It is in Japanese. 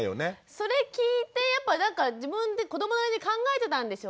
それ聞いてやっぱなんか自分で子どもなりに考えてたんでしょうね。